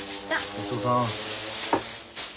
ごちそうさん。